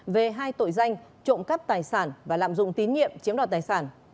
về hai tội danh trộm cắp tài sản và lạm dụng tín nhiệm chiếm đoạt tài sản